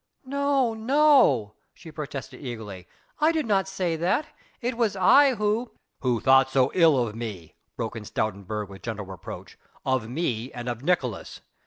"No, no," she protested eagerly, "I did not say that. It was I who...." "Who thought so ill of me," broke in Stoutenburg with gentle reproach, "of me and of Nicolaes.